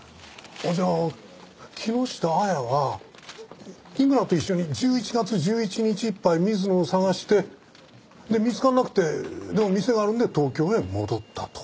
じゃあ木下亜矢は井村と一緒に１１月１１日いっぱい水野を捜してで見つからなくてでも店があるんで東京へ戻ったと。